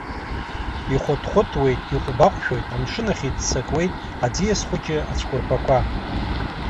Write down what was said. Ихәыҭхәыҭуеит, иҟәбаҟәшәоит, амшын ахь иццакуеит аӡиас хәыҷы ацәқәырԥақәа.